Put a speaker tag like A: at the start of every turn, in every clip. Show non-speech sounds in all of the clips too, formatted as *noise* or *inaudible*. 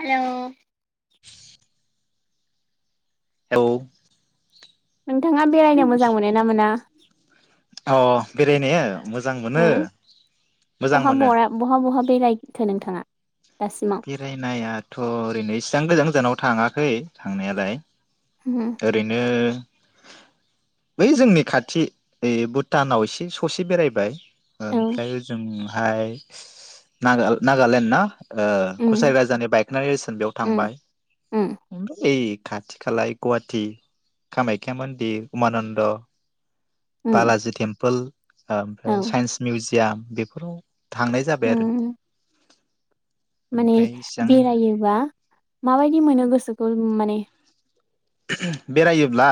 A: Hello,
B: *unintelligible*
A: नोंथाङा बेरायनो मोजां मोनो ना मोना?
B: अ बेरायनो मोजां मोनो
A: उम
B: मोजां
A: बहा
B: मोनो
A: बहा बहा बेरायखो नोंथाङा। दासिमाव
B: बेरायनायाथ ओरैनो इसिबां गोजान गोजानाव। थाङाखै थांनायालाय।
A: औ
B: ओरैनो‌ बै जोंनि खाथि ओ भुटानाव एसे ससे बेरायबाय
A: उम
B: ओमफ्राय ओजोंहाय नागा नागालेण्ड ना? ओ कसारि
A: उम
B: राजानि बाइखोन्दा नेरसोन बेयाव थांबाय
A: उम
B: *unintelligible* खाथि खालाय गुवाहाटि कामाख्या मन्दिर उमानन्द
A: उम
B: बालाजि टेम्पोल।
A: औ
B: ओमफ्राय साइन्स मिउजि याम बेफोराव थांनाय जाबाय आरो।
A: उम माने
B: ओमफ्राय इसां
A: बेरायोबा माबायदि मोनो गोसो *unintelligible* माने
B: बेरायोब्ला?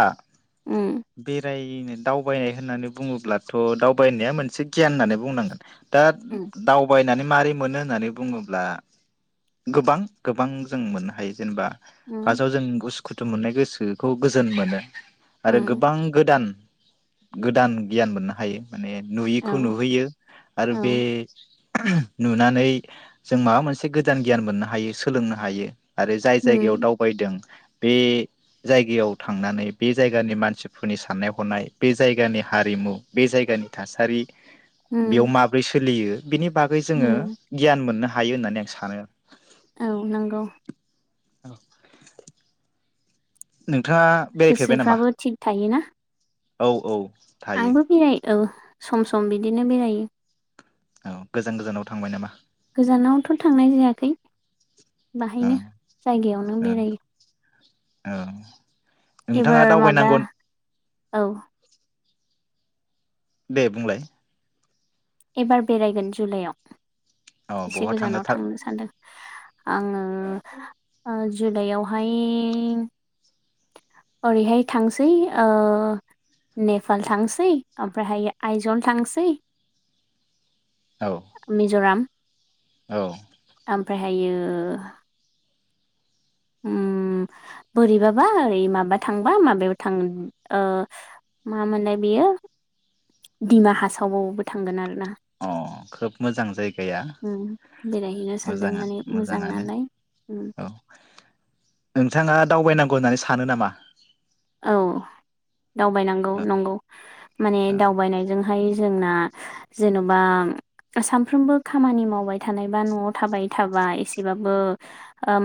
A: उम
B: बेराय दावबायनाय होननानै बुङोब्लाथ दावबायनाया मोनसे गियान होननानै बुंनांगोन। दा
A: उम
B: दावबायनानै मारै मोनो होननानै बुङोब्ला गोबां गोबां जों मोननो हायो जेनेबा
A: उम
B: फार्साव जों गो *unintelligible* सोखौ गोजोन मोनो। आरो
A: उम
B: गोबां गोदान गोदान गियान मोननो हायो। माने
A: औ
B: नुयैखौ नुहैयो आरो
A: औ
B: बे नुनानै जों माबा मोनसे गोदान गियान मोननो हायो सोलोंनो हायो। आरो जाय जायगायाव
A: उम
B: दावबायदों बे जायगायाव थांनानै बे जायगानि मानसिफोरनि साननाय हनाय बे जायगानि हारिमु बे जायगानि थासारि
A: उम
B: बेयाव माब्रै सोलियो बिनि बागै जोङो
A: उम
B: गियान मोननो हा यो होननानै आं सानो।
A: औ नंगौ
B: औ नों थाङा बेरायफेरबाय नामा?
A: गोसोफ्राबो थिग थायोना
B: औ औ थायो
A: आंबो बेराय औ सम सम बिदिनो बेरायो।
B: औ गोजान गोजानाव थांबाय नामा?
A: गोजानावथ थांनाय जायाखै
B: औ
A: बाहायनो जायगायावनो
B: औ
A: बेरायो
B: औ नोंथाङा
A: एबार माबा
B: दावबायनांगौ
A: औ
B: दे बुंलाय
A: एबार बेरायगोन जुलाइआव
B: औ
A: एसे
B: बहा
A: गोजानाव
B: थार
A: थांनो सानदों आङो जुलाइआवहाय ओरैहाय थांसै नेपाल थांसै ओमफ्रायहाय आइजल थांसै
B: औ
A: मिजराम
B: औ
A: ओमफ्रायहायो ओम बोरैबाबा ओरै माबा थांबा माबायाव थां ओ मा मोनलाय बेयो दिडिमा हासावबावबो थांगोन आरो ना
B: अ खोब मोजां जाय गैया
A: उम बेरायहैनो सानदों माने
B: मोजाङानो
A: मोजां
B: मोजांङानो
A: नालाय उम
B: औ नोंथाङा दावबाय नां ग होननानै सानो नामा
A: औ दावबायनांगौ
B: औ
A: नंगौ माने दावबायनायजों बहाय जोंना जेनबा सानफ्रोमबो खामानि मावबाय थानायबा नआव थाबाय थाबा एसेबाबो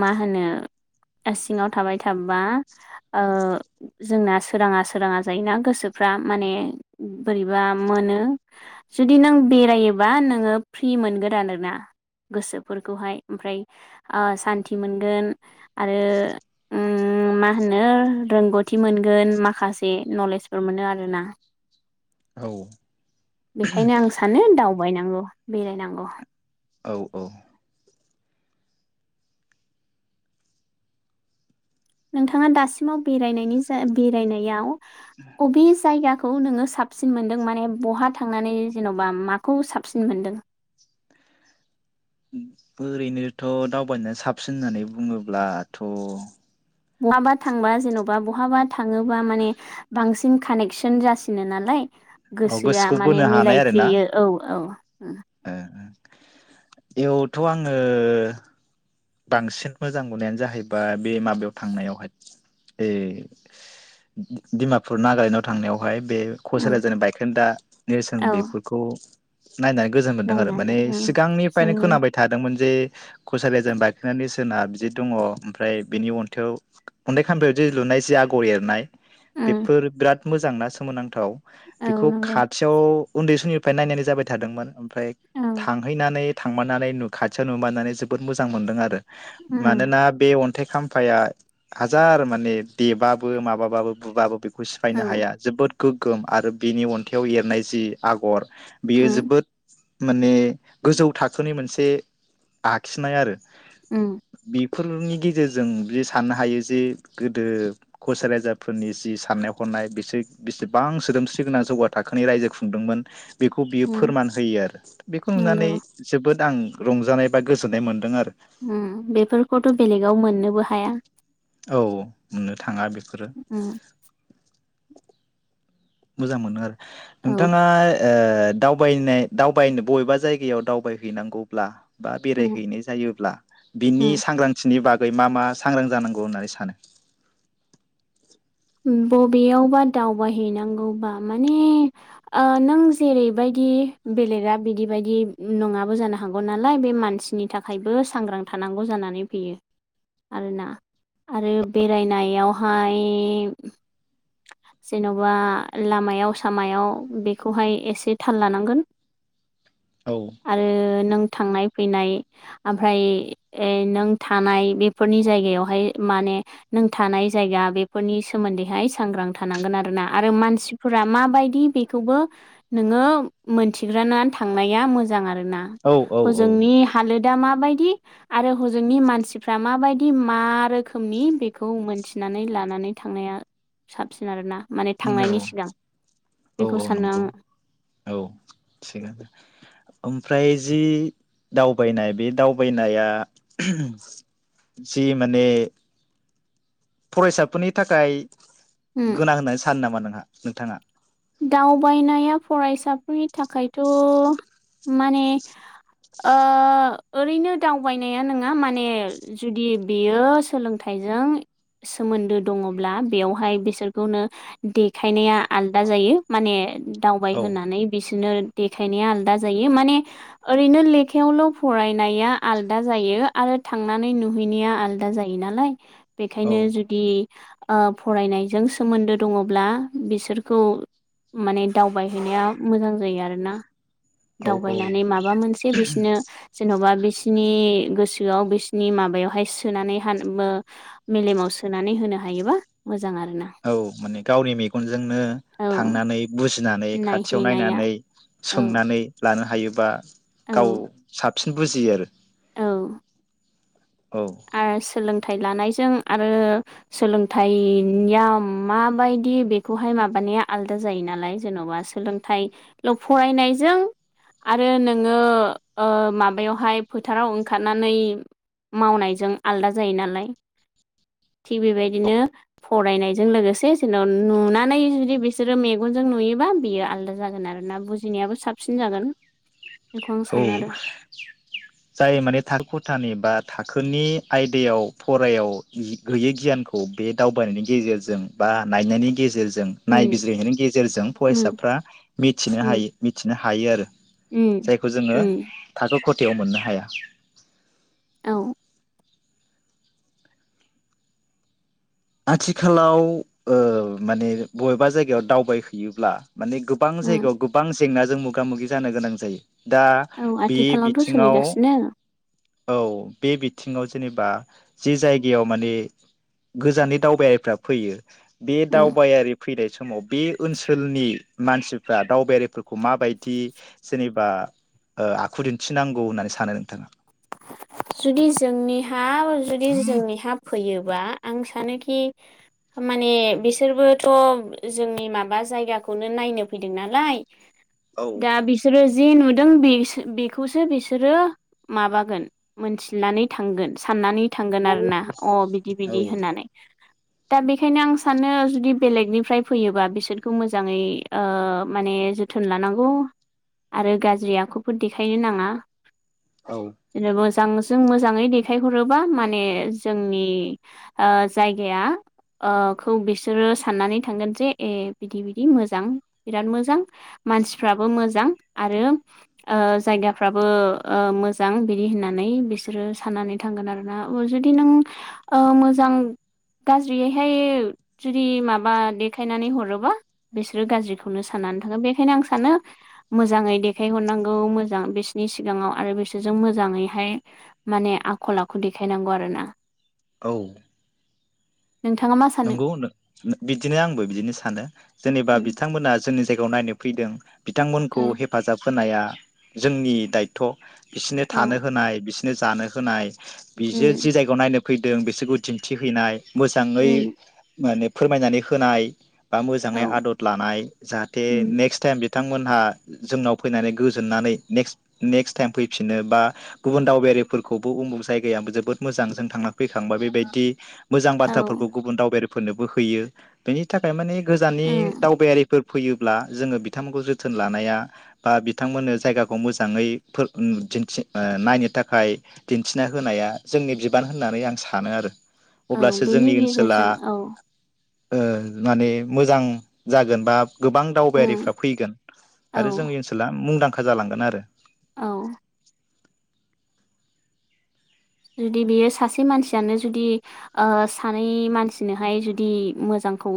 A: मा होनो सिङाव थाबाय थाबा ओ जोंना सोराङा सोराङा जायोना गोसोफ्रा माने बोरैबा मोनो जुदि नों बेरायोबा नोङो फ्रि मोनगोन आरोना गोसोफोरखौहाय ओमफ्राय सान्थि मोनगोन आरो मा होनो रोंगौ थि मोनगोन माखासे नलेजफोर मोनो आरोना बेखायनो आं सानो दावबायनांगौ बेरायनांगौ
B: औ औ
A: नोंथाङा दासिमाव बेरायनायनि जा बेरायनायाव अ बे जायगा औ नोङो साबसिन मोन्दों माने बहा थांनानै जेनबा माखौ साबसिन मोनदों
B: ओरैनोथ दावबायनाया साबसिन होननानै बुङोब्लाथ
A: बहाबा थांबा जेनबा बहाबा थाङोबा माने बांसिन *unintelligible* कानेक्सन जासिनो नालाय
B: औ
A: गोसोआ
B: गोसोखौ
A: माने
B: बोनो
A: मिलायफ्लेयो औ औ *inaudible*
B: ओ ओ इयावथ आङो बांसिन मोजां मोननायानो जाहैबाय बे माबायाव थांनायावहाय ए डिमापुर नागालेण्डआव थांनायावहाय बे कस
A: उम
B: राजानि बाइखोनदा नेरसोन
A: औ
B: बेफोरखौ नायनानै गोजोन मोनदों आरो माने
A: नायनानै उम
B: सिगांनिफ्रायनो
A: जोंनि
B: खोनाबाय थादोंमोन जे खसारिया जेनबा दा नेरसोना बिदि दङ ओमफ्राय बिनि अन्थाइाव अन्थाइ खामफायावदि लुनाय जि आगर एरनाय
A: उम
B: बेफोर बिराद मोजांना सोमोनांथाव।
A: औ
B: बेखौ
A: नंगौ
B: खाथियाव उन्दै समनि दा नायनाय जाबाय थादोंमोन। फ्राय
A: औ
B: थांहैनानै थांमानानै नु खाथियाव नुुमानानै जोबोद मोजां मोनदों आ रो
A: उम
B: मानोना बे अन थाय खाम्फाया हाजार माने देबाबो माबाबाबो बुबाबो बे
A: औ
B: बुसिफायनो हाया जोबोद गोगोम आरो बिनि अन्थायाइाव एरनाय जि आगर बेयो
A: उम
B: जोबोद माने गोजौ थाखोनि मोनसे आखिनाय आरो।
A: अम
B: फोरनि गेजेरजों बियो साननो हायो जे गोदो कच राजाफोरनि जि साननाय हनाय बिसोर बिसेबां सोदोमस्रि गोनां जौगा थाखोनि रायजो खुंदोंमोन। बेखौ बियो
A: उम
B: फोरमान होयो आरो बेखौ नुनानै
A: नंगौ
B: जोबोद आं रंजानाय बा गोजोननाय मोनदों आरो।
A: अम बेफोरखौथ बेलेगाव मोननोबो हाया।
B: औ मोननो थांङा बेफोरो।
A: उम
B: मोजां मोनो आरो।
A: औ
B: नोंथाङा ओ दावबायनाय-दावबायनो बबेबा जायगायाव दावबायहैनांगौब्ला बा
A: उम
B: बेरायहैनाय जायोब्ला बिनि सांग्रांथिनि बा गै मा मा सांग्रां जानांगौ होननानै सानो।
A: बबेयावबा दावबायहैनांगौबा माने नों जेरै बायदि बेलेगा बिदि बेदि नंङाबो जानो हागौ नालाय बे मानसिनि थाखायबो सांग्रां थानांगौ जानानै फैयो आरोना आरो बेरायनायाव हाय जेनबा लामायाव सामायाव बेखौहाय एसे थाल लानांगोन।
B: औ
A: आरो नों थांनाय फैनाय ओमफ्राय नों थानाय बेफोरनि जायगायावहाय माने नों थानाय जायगा बेफोरनि सो सोमोन्दैहाय सांग्रां थानांगोन आरोना आरो मानसिफोरा मा बायदि बेखौबो नोंङो मोनथिग्रोना थांनाया मोजां आ रो ना
B: औ
A: हजोंनि हालोदा मा बाय दि आरो हजोंनि मानसिफ्रा मा बायदि मा रोखोमनि बेखौ मोनथिनानै लानानै थांनाया साबसिन आरोना। माने थांनायनि सिगां
B: औ औ
A: बेखौ
B: औ
A: सानो
B: नंगौ
A: आङो
B: औ थिगानो ओम फ्राय जि दावबायनाय बे दावबायनाया जि माने फरायसाफोरनि थाखाय
A: उम
B: गोनां होननानै सानो नामा नोंं। नोंथाङा।
A: दावबायनाया फरायसाफोरनि थाखायथ माने ओ ओरैनो दावबायनाया नङा माने जुदि बेयो सोलोंथाइजों सोमोन्दो दङब्ला बेवहाय बिसोरखौनो देखायनाया आल दा जायो माने दावबाय
B: औ
A: होननानै बिसोर बिदिनो देखायनाया आलदा जायो माने ओरैनो लेखायावल फरायनाया आलदा जायो आरो थांनानै नुहैनाया आलदा जायो नालाय
B: औ
A: बेखायनो जुदि ओ फरायनायजों सोमोन्दो दङब्ला बिसोर खौ माने दावबायहैनाया मोजां जायो आरोना
B: औ
A: दावबायनानै माबा मोनसे बिसनो जेनबा बिसिनि गोसो बिसिनि माबायाव हाय सोना मेलेमाव सोनानै होनो हायोबा मो
B: औ माने गावनि मेगनजों
A: औ
B: थांनानै बुजिनानै खाथियाव
A: नायहैनाया
B: नायनानै
A: औ
B: सोंनानै लानो ह हायोबा गाव
A: औ
B: साबसिन बुजियो आरो
A: औ।
B: औ।
A: आरो सोलोंथाइ लानायजों आरो सोलोंथाइया माबायदि बेखौहाय माबानाया आलादा जायो नालाय जेनबा सोलोंथाइल फरायनायजों आरो नोङो ओ माबायाव हाय फोथाराव ओंखारनानै मावनायजों आलदा जायो नालाय थि बेबायदिनो फरायनायजों लोगोसे जेन नुनानै जु बिसोरो मेगजों नुयोबा बियो आलदा जागोन आरोना बुजिनायाबो साबसिन जागोन। बेखौ आं
B: औ
A: सानो आरो
B: जाय माने थार खथानि बा थाखोनि आयदायाव फरायाव गोयै गियानखौ बे दावबायनायनि गेजेरजों बा नायनायनि गेजेरजों
A: उम
B: नायबिजिरनायनि गेजेरजों
A: उम
B: फरायसाफोरा मिथिनो
A: उम
B: हायो मिथिनो हागोन हायो आरो
A: उम
B: जायखौ जोङो
A: उम
B: थाखो ख खथायाव मोननो हाया।
A: औ
B: आथिखालाव ओ माने बबेबा जायगायाव दावबायहैयोब्ला माने गोबां
A: उम
B: जायगायाव गोबां जेंनाजों मोगा मोगि जानो गोनां जायो। दा
A: औ
B: बे
A: आथिखालावथ'
B: बिथिङाव
A: सोलिगासिनो
B: औ बे बिथिङाव जेनेबा जि जायगायाव माने गोजाननि दावबायारिफ्रा फैयो बे
A: उम
B: दावबायारि फैनाय समाव बे ओनसोलनि मानसिफ्रा दावबायारिफोरखौ माबायदि जेनेबा आखु दिन्थिनांगौ होननानै सानो नोंथाङा।
A: जुदि जोंनिहा जुदि जोंनिहा फैयोबा आं सानोखि माने बिसोरबोथ जोंनि माबा जायगाखौनो नायनो फैदों नालाय
B: औ
A: दा बिसोरो ज जे नुदों बेखौसो बिसोरो माबागोन मोनथिनानै थांगोन साननानै थांगोन आरोना अ बिदि बिदि होननानै दा बेखायनो आं सानो जुदि बेलेगनिफ्राय फैयोबा बिसोरखौ मोजाङै ओ माने जोथोन लानांगौ आरो गाज्रि आखुफोर देखायनो नाङा। जेनबा जों मोजां जों मोजाङै देखायहरोबा माने जोंनि ओ जायगाया ओ खौ बिसोरो साननानै थांगोन जे ए बिदि बिदि मोजां बिराद मोजां मानसिफ्राबो मोजां आरो ओ जायगाफ्राबो ओ मोजां बिदि होनना। नै बिसोरो साननानै थांगोन आरो ना जुदि नों ओ मोजां गाज्रियैहाय जुदि माबा देखायनानै हरोबा बिसोरो गाज्रिखौनो साननानै थांगोन बेखायनो आं सानो मोजाङै देखायहरनांगौ मोजां बिसिनि सिगाङाव आरो बिसोरजों मोजाङै हाय माने आखल आखु देखायनांगौ आरोना।
B: औ।
A: नोंथाङा मा सानो
B: नंगौ बिदिनो आंबो बिदिनो सानो जेनेबा
A: उम
B: बिथांमोना जोंनि जायगायाव नायनो फैदों। बिथांमोनखौ
A: औ
B: हेफाजाब होनाया जोंनि दायथ' बिसोरनो थानो
A: औ
B: होनाय बिसोरनो जानो होनाय बिसोर जे
A: उम
B: जायगायाव नायनो फैदों बिसोरखौ दिन्थि हैैनाय मोजाङै
A: उम
B: माने फोरमायनानै होनाय बा मोजाङै
A: औ
B: आदद लानाय जाहाथे
A: उम
B: नेक्स्ट टाइम बे बिथांमोनहा जोंनाव फैनानै गोजोननानै नेक्स्ट नेक्स्ट टाइम फैफिनो बा गुबुन दावबायारिफोरखौबो उमुग जायगायाबो जोबोद मोजां जों थांना फैखांबा बेबायदि मोजां
A: औ
B: बाथ्राफोरखौ दावबायारिफोरनोबो होयो बेनि थाखाय माने गोजाननि
A: उम
B: दावबायारिफोर फैयोब्ला जोङो बिथांमोनखौ जोथोन लानाया बा बिथांमोननो जायगाखौ मोजाङै फोर दिन्थि नायनो थाखाय दिन्थिना होनाया जोंनि बिबान होननानै आं सानो आरो।
A: औ
B: अब्लासो
A: बेनि
B: जोंनि ओनसो
A: गेजेरजों औ
B: ओ माने मोजां जागोन बा गोबां
A: उम
B: दावबायारिफ्रा फैगोन
A: औ
B: आरो जोंनि ओनसोला मुंदांखा खा जालांगोन आरो।
A: औ। जुदि बेयो सासे मानसियानो जुदि ओ सानै मानसिनोहाय जुदि मोजांखौ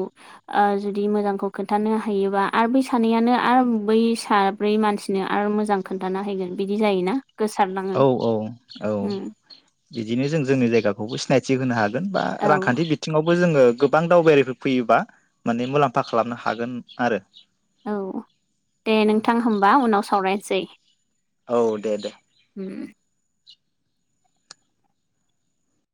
A: ओ जुदि मोजांखौ खोन्थानो हायोबा आरो बै सानैयानो आरो बै साब्रै मानसिनो आरो मोजां खोन्थाना हैगोन बिदि जायोना। गोसारलाङो
B: औ औ औ।
A: उम
B: बिदिनो जों जोंनि जायगाखौबो सिनायथि होनो हाद बा
A: औ
B: रांखान्थि बिथिङाव बो जोङो गोबां दावबायारिफोर फैयोबा माने मुलाम्फा खालामनो हागोन आरो।
A: औ दे नोंथां होमबा उनाव सावरायनोसै।
B: औ दे दे।
A: ओम।